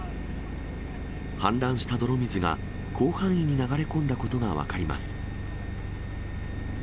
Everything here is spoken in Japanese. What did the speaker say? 氾濫した泥水が、広範囲に流れ込んだことが分かります。